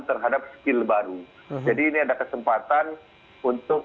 terhadap skill baru jadi ini ada kesempatan untuk